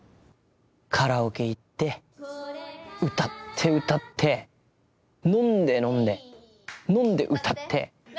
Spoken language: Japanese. カラオケ行って歌って歌って飲んで飲んで飲んで歌って。